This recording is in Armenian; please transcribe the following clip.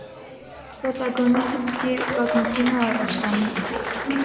Պրոտագոնիստը պիտի պատմությունը առաջ տանի։